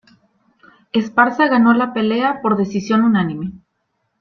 Esparza ganó la pelea por decisión unánime.